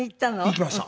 行きました。